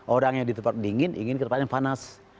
orang yang di tempat dingin ingin ke tempat yang panas